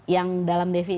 yang dalam desain